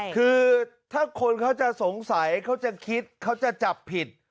คือถ้าคนเขาจะสงสัยเขาจะคิดเขาจะจับผิด